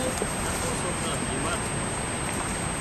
نڪو سوڪران بيمار ٿائي